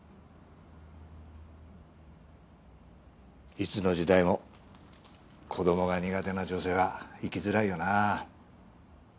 いつの時代も子供が苦手な女性は生きづらいよな。